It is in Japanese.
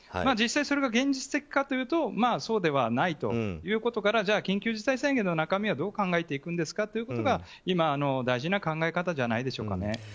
実際、それが現実的かというとそうではないということからじゃあ緊急事態宣言の中身はどう考えていくんですかというのが大事な考え方じゃないですかね。